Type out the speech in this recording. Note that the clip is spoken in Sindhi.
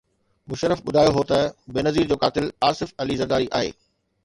مشرف ٻڌايو هو ته بينظير جو قاتل آصف علي زرداري آهي.